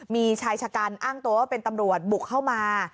มีชายชะกันอ้างตัวว่าเป็นตำรวจบุกเข้ามา